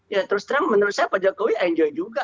ya terus terang menurut saya pak jokowi enjoy juga